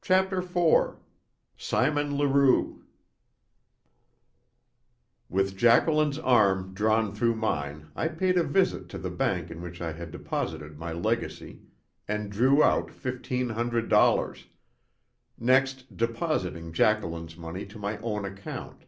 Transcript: CHAPTER IV SIMON LEROUX With Jacqueline's arm drawn through mine I paid a visit to the bank in which I had deposited my legacy, and drew out fifteen hundred dollars, next depositing Jacqueline's money to my own account.